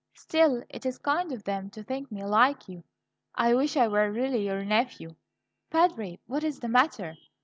"Still, it is kind of them to think me like you; I wish I were really your nephew Padre, what is the matter?